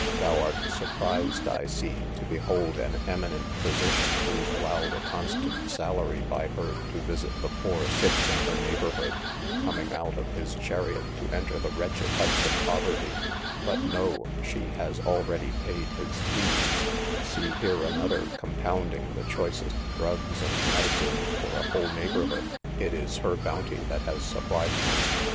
Thou art surprised, I see, to behold an eminent physician, who is allowed a constant salary by her to visit the poor sick in her neighbourhood, coming out of his chariot to enter the wretched huts of poverty; but know, she has already paid his fees: see here another compounding the choicest drugs and medicines for a whole neighbourhood; it is her bounty that has supplied them.